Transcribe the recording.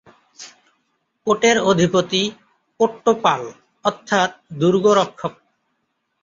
কোটের অধিপতি, কোট্টপাল, অর্থাৎ ‘দুর্গরক্ষক’।